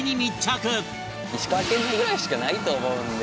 石川県にぐらいしかないと思うんで。